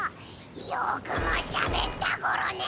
よくもしゃべったゴロね！